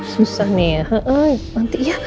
susah nih ya